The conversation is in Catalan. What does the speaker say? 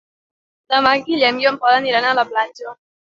Demà en Guillem i en Pol aniran a la platja.